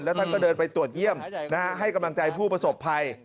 ท่านก็เดินไปตรวจเยี่ยมให้กำลังใจผู้ประสบภัย